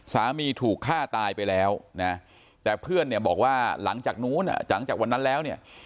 สามีถูกฆ่าตายไปแล้วนะแต่เพื่อนเนี่ยบอกว่าหลังจากนู้นหลังจากวันนั้นแล้วเนี่ย